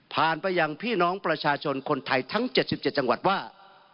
ไปยังพี่น้องประชาชนคนไทยทั้ง๗๗จังหวัดว่า